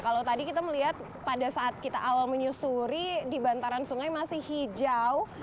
kalau tadi kita melihat pada saat kita awal menyusuri di bantaran sungai masih hijau